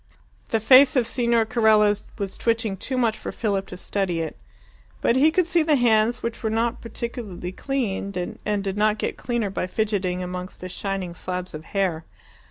The face of Signor Carella was twitching too much for Philip to study it. But he could see the hands, which were not particularly clean, and did not get cleaner by fidgeting amongst the shining slabs of hair.